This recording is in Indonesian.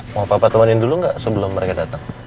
mau papa temenin dulu nggak sebelum mereka datang